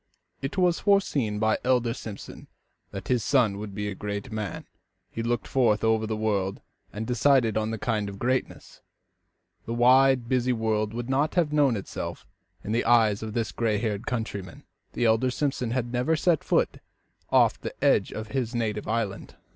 It was foreseen by the elder Simpson that his son would be a great man. He looked forth over the world and decided on the kind of greatness. The wide, busy world would not have known itself as seen in the mind of this gray haired countryman. The elder Simpson had never set foot off the edge of his native island.